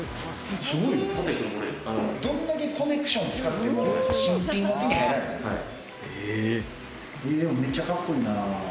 どんだけコネクションを使っても新品が手に入らない。